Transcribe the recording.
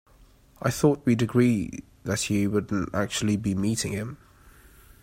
I thought we'd agreed that you wouldn't actually be meeting him?